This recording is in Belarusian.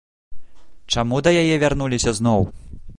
Чаму да яе вярнуліся зноў?